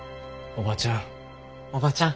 おばちゃん。